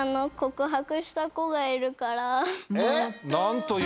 えっ！